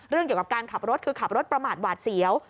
เกี่ยวกับการขับรถคือขับรถประมาทหวาดเสียว